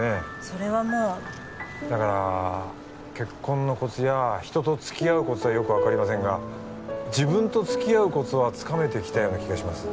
それはもうだから結婚のコツや人とつきあうコツはよく分かりませんが自分とつきあうコツはつかめてきたような気がします